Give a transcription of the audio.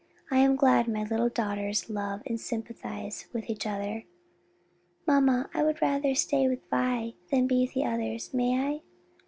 "I am glad my little daughters love and sympathize with each other." "Mamma, I would rather stay with Vi, than be with the others. May I?"